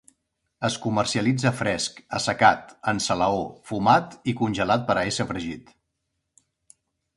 Es comercialitza fresc, assecat, en salaó, fumat i congelat per a ésser fregit.